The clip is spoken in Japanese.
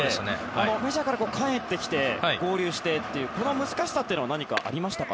メジャーから帰ってきて合流してという、この難しさは何かありましたか？